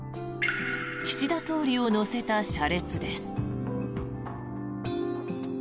岸田総理を乗せた車列です。